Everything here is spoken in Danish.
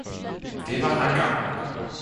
Det var her engang.